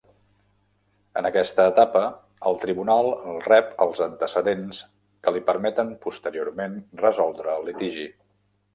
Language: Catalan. En aquesta etapa el tribunal rep els antecedents que li permeten posteriorment resoldre el litigi.